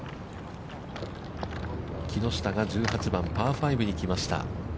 木下が１８番、パー５に来ました。